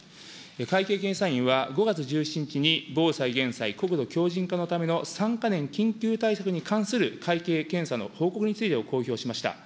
会計検査院は、５月１７日に防災・減災・国土強じん化のための３か年緊急対策に関する会計検査の報告についてを公表しました。